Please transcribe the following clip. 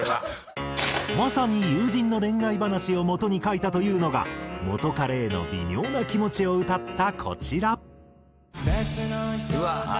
まさに友人の恋愛話をもとに書いたというのが元彼への微妙な気持ちを歌ったこちら。